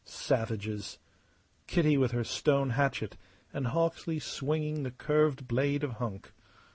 Savages Kitty with her stone hatchet and Hawksley swinging the curved blade of Hunk.